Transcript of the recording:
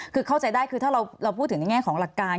คือเข้าใจได้คือถ้าเราพูดถึงในแง่ของหลักการ